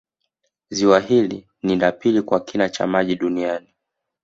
Ziwa hili ni la pili kwa kina cha maji duniani